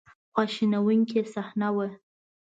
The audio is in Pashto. خواشینونکې صحنه وه.